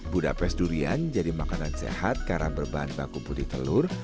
budapes durian jadi makanan sehat karena berbahan baku putih telur